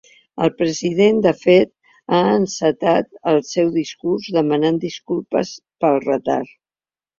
El president, de fet, ha encetat el seu discurs demanant disculpes pel retard.